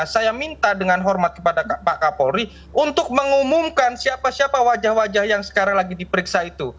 saya minta dengan hormat kepada pak kapolri untuk mengumumkan siapa siapa wajah wajah yang sekarang lagi diperiksa itu